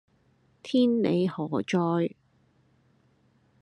天理何在